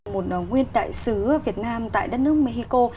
một nguyên đại sứ việt nam tại đất nước mexico